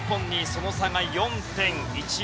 その差が４．１６４。